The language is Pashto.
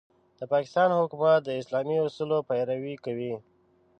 د پاکستان حکومت د اسلامي اصولو پيروي کوي.